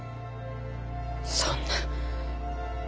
そんな。